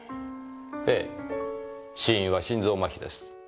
ええ死因は心臓麻痺です。